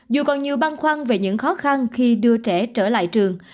dù còn nhiều băng khoan về những khó khăn khi đưa trẻ trở lại trường